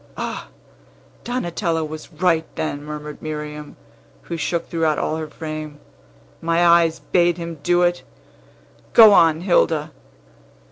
"Ah! Donatello was right, then," murmured Miriam, who shook throughout all her frame. "My eyes bade him do it! Go on, Hilda."